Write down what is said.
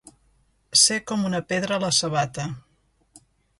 Ser com una pedra a la sabata.